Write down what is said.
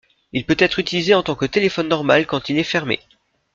Il peut être utilisé en tant que téléphone normal quand il est fermé.